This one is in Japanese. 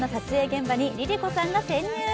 現場にＬｉＬｉＣｏさんが潜入。